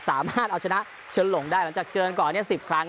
สามารถเอาชนะเฉล่งได้หลังจากเจนก่อนเนี้ยสิบครั้ง